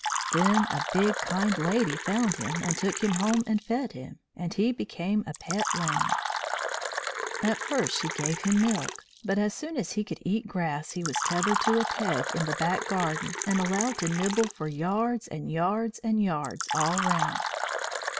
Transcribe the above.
Then a big kind lady found him and took him home and fed him; and he became a Pet Lamb. At first she gave him milk, but as soon as he could eat grass he was tethered to a peg in the back garden and allowed to nibble for yards and yards and yards all round.